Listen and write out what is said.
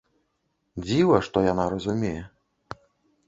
Дзіва, што яна разумее.